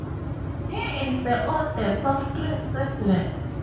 He is the oldest of three siblings.